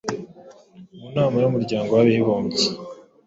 Mu nama y’Umuryango w’Abibumbye,